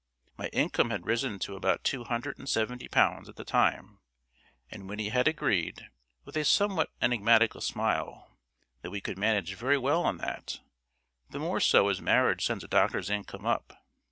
My income had risen to about two hundred and seventy pounds at the time; and Winnie had agreed, with a somewhat enigmatical smile, that we could manage very well on that the more so as marriage sends a doctor's income up.